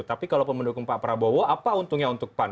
tapi kalau mendukung pak prabowo apa untungnya untuk pan